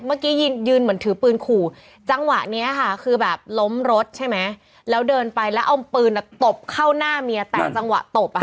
เมื่อกี้ยืนยืนเหมือนถือปืนขู่จังหวะนี้ค่ะคือแบบล้มรถใช่ไหมแล้วเดินไปแล้วเอาปืนตบเข้าหน้าเมียแต่จังหวะตบอ่ะค่ะ